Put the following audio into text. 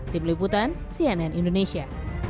tim liputan cnn indonesia